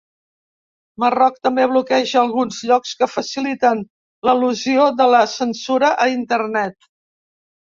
Marroc també bloqueja alguns llocs que faciliten l'elusió de la censura a internet.